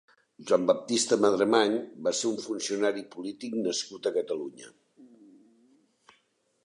Joan Baptista Madremany va ser un funcionari i polític nascut a Catalunya.